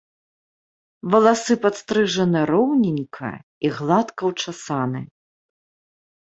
Валасы падстрыжаны роўненька і гладка ўчасаны.